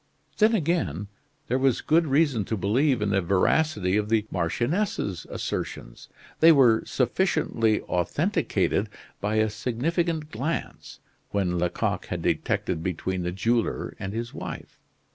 Then, again, there was good reason to believe in the veracity of the marchioness's assertions. They were sufficiently authenticated by a significant glance which Lecoq had detected between the jeweler and his wife.